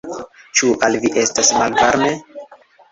Ĉu al vi estas malvarme?